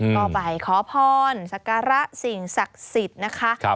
ก็ไปขอพรสักการะสิ่งศักดิ์สิทธิ์นะคะ